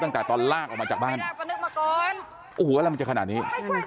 ตั้งแต่ตอนลากออกมาจากบ้านโอ้โหอะไรมันจะขนาดนี้